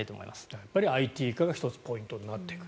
やっぱりＩＴ化が１つ、ポイントになってくる。